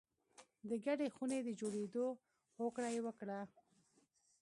د ګډې خونې د جوړېدو هوکړه یې وکړه